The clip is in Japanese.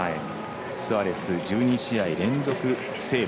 スアレス１２試合連続セーブ。